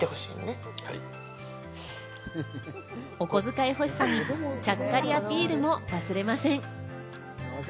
お小遣い欲しさにちゃっかりアピールも忘れません。